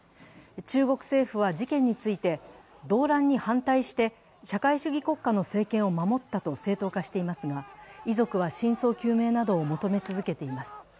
中国政府は事件について、動乱に反対して社会主義国家の政権を守ったと正当化していますが、遺族は真相究明などを求め続けています。